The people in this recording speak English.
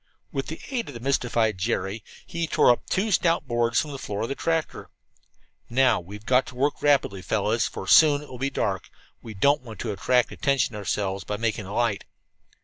With the aid of the mystified Jerry he tore two stout boards up from the floor of the tractor. "Now we've got to work rapidly, fellows," he said, "for it will soon be dark, and we don't want to attract attention to ourselves by making a light.